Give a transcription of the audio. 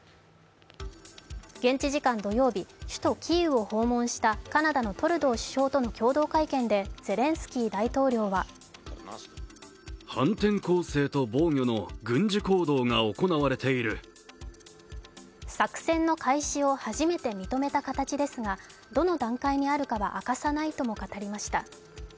現地時間土曜日、首都キーウを訪問したカナダのトルドー首相との共同会見でゼレンスキー大統領は作戦の開始を初めて認めた形ですが、どの段階にあるかは明かさないとも語りました。